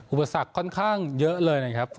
อุปสรรคค่อนข้างเยอะเลยนะครับ